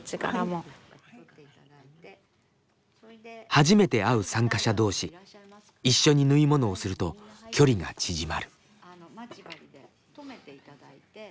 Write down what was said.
初めて会う参加者同士一緒に縫い物をすると距離が縮まる。